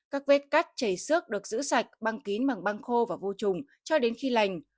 các vết cắt chảy xước được giữ sạch băng kín bằng băng khô và vô trùng cho đến khi lành